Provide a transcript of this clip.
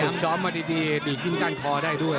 ถูกช้อมมาดีดีกริ้นกล้านคอได้ด้วย